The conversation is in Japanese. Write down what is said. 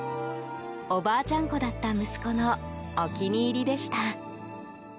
おばあちゃん子だった息子のお気に入りでした。